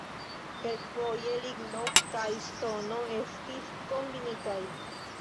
Kelkfoje ligno kaj ŝtono estis kombinitaj.